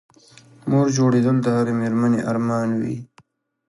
مور جوړېدل د هرې مېرمنې ارمان وي